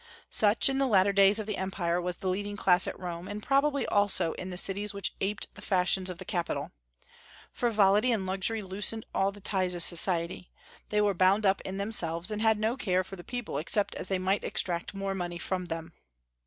Such, in the latter days of the empire, was the leading class at Rome, and probably also in the cities which aped the fashions of the capital. Frivolity and luxury loosened all the ties of society. They were bound up in themselves, and had no care for the people except as they might extract more money from them.